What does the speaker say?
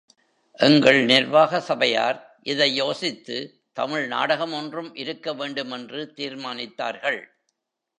எங்கள் நிர்வாக சபையார், இதை யோசித்து, தமிழ் நாடகமொன்றும் இருக்க வேண்டுமென்று தீர்மானித்தார்கள்.